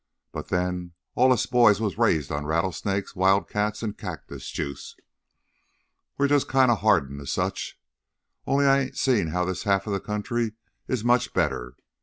But then all us boys was raised on rattlesnakes, wildcats, an' cactus juice we're kinda hardened to such. Only I ain't seen as how this half of the country is much better.